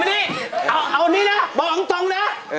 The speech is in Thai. วันนี้เอานี้นะบอกตรงนะ